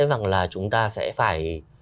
rằng là chúng ta sẽ phải